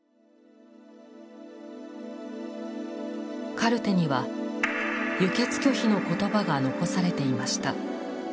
カルテには「輸血拒否」の言葉が残されていました。